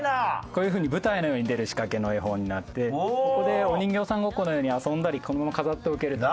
こういう風に舞台のように出る仕掛けの絵本になってここでお人形さんごっこのように遊んだりこのまま飾っておけると。